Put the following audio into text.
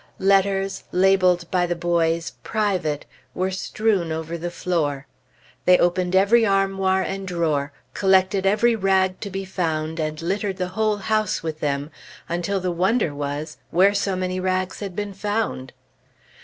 Letters, labeled by the boys "Private," were strewn over the floor; they opened every armoir and drawer, collected every rag to be found and littered the whole house with them, until the wonder was, where so many rags had been found.